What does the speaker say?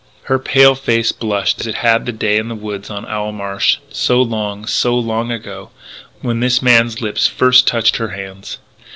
Her pale face blushed as it had that day in the woods on Owl Marsh, so long, so long ago, when this man's lips first touched her hands.